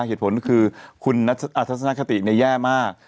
เหตุผลคือคุณทัศนคติแย่มาก